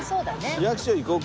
市役所行こうか。